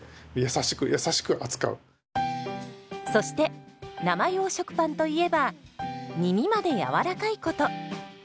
そして生用食パンといえばみみまでやわらかいこと。